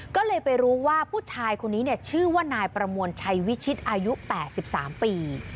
ก็เลยไปรู้ว่าผู้ชายคนนี้ชื่อว่านายประมวลชัยวิชิตอายุ๘๓ปี